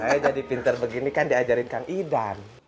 eh jadi pinter begini kan diajarin kang idan